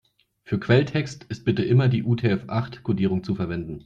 Für Quelltext ist bitte immer die UTF-acht-Kodierung zu verwenden.